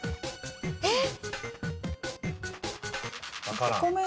えっ⁉